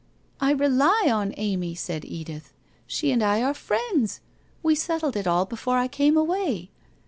' I rely on Amy,' said Edith. ' She and I are friends. We settled it all before I came away.'